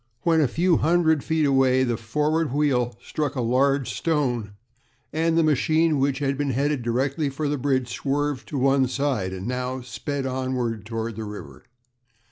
When a few hundred feet away the forward wheel struck a large stone, and the machine, which had been headed directly for the bridge, swerved to one side, and now sped onward toward the river.